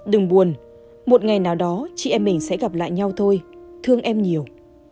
đừng buồn một ngày nào đó chị em mình sẽ gặp lại nhau thôi thương em nhiều